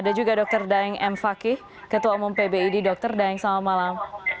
ada juga dr daeng m fakih ketua umum pbid dr daeng selamat malam